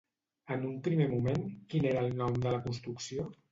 En un primer moment, quin era el nom de la construcció?